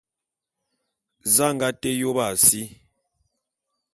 Za a nga té yôp a si?